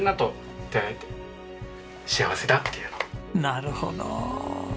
なるほど！